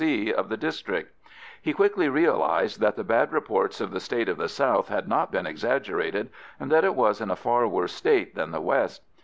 C. of the district. He quickly realised that the bad reports of the state of the south had not been exaggerated, and that it was in a far worse state than the west.